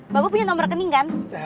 bapak punya nomor rekening kan